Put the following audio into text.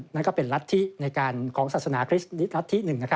นั่นก็เป็นรัฐที่ในการของศาสนาคริสต์นิดรัฐที่๑